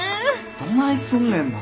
どないすんねんな。